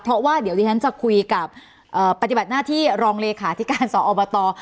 เพราะว่าเดี๋ยวดิฉันจะคุยกับปฏิบัติหน้าที่รองเลขาธิการสอบต